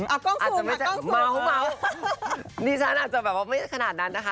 อ่ะกล้องสูงค่ะกล้องสูงค่ะม้าวนี่ฉันอาจจะแบบว่าไม่ขนาดนั้นนะคะ